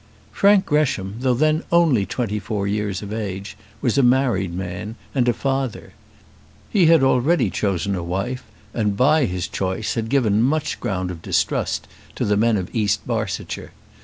Frank Gresham, though then only twenty four years of age, was a married man, and a father. He had already chosen a wife, and by his choice had given much ground of distrust to the men of East Barsetshire.